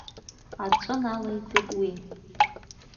Аҵәы налеиҵеит уи.